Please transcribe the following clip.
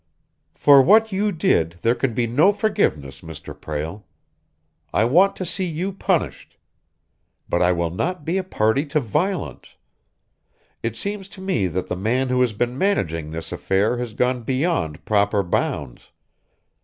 "For what you did, there can be no forgiveness, Mr. Prale. I want to see you punished. But I will not be a party to violence. It seems to me that the man who has been managing this affair has gone beyond proper bounds.